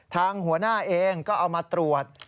ทางหัวหน้าเองก็เอามาตรวจ